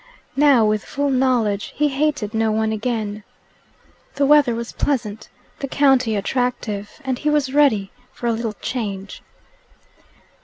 Now, with full knowledge, he hated no one again. The weather was pleasant, the county attractive, and he was ready for a little change.